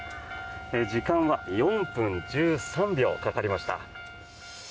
時間は４分１３秒かかりました。